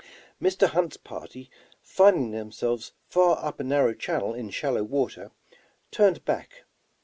Mr. Hunt's party, finding themselves far up a narrow channel in shallow water, turned back.